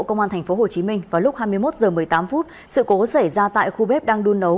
công an tp hcm vào lúc hai mươi một h một mươi tám sự cố xảy ra tại khu bếp đang đun nấu